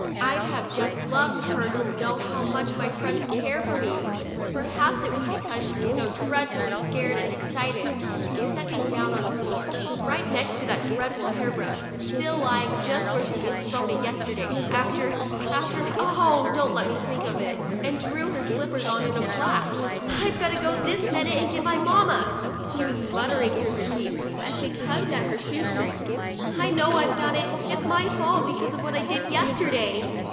I'd have just loved her to know how much my friends care for me. Perhaps it was because she was so dreadfully scared and excited. She set me down on the floor, right next 71 THE DIARY OF A BIRTHDAY DOLL to that dreadful hair brush, still lying just where she had thrown it yesterday after — after — oh ! don't let me think of it, and drew her slippers on in a flash. " I've got to go this minute and get my mamma," she was muttering through her teeth, as she tugged at her shoestring. 'I know I've done it; it's my fault, because of what I did yesterday."